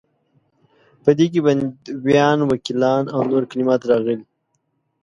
په دې کې بندیوان، وکیلان او نور کلمات راغلي.